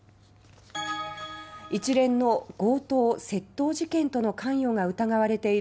一連の強盗窃盗事件との関与が疑われている